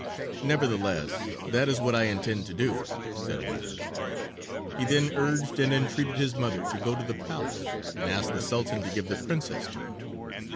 "Nevertheless that is what I intend to do," said Aladdin. He then urged and entreated his mother to go to the palace and ask the Sultan to give the Princess to him.